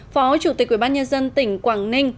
phó chủ tịch ubnd tỉnh quảng ninh